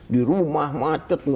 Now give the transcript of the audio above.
di rumah macet